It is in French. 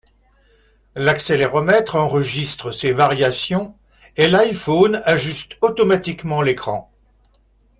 L'accéléromètre enregistre ces variations et l'iPhone ajuste automatiquement l'écran.